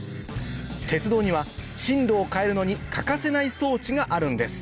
鉄道には進路を変えるのに欠かせない装置があるんです